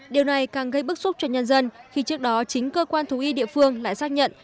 điều này càng gây bức xúc cho nhân dân khi trước đó chính cơ quan thú y địa phương lại xác nhận